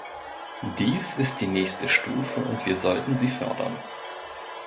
Dies ist die nächste Stufe, und wir sollten sie fördern.